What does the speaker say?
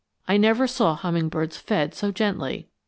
I never saw hummingbirds fed so gently.